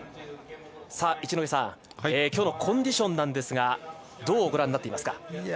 一戸さん、今日のコンディションですがどうご覧になっていますか。